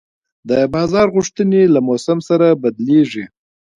د بازار غوښتنې له موسم سره بدلېږي.